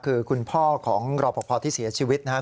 คือคุณพ่อของรอปภที่เสียชีวิตนะครับ